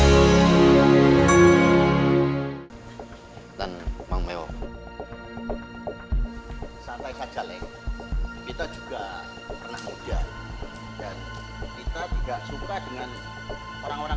hai dan mau mewah sampai saja lengket kita juga pernah muda dan kita juga suka dengan orang orang